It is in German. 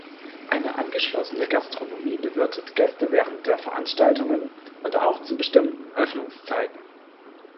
Eine angeschlossene Gastronomie bewirtet Gäste während der Veranstaltungen und auch zu bestimmten Öffnungszeiten.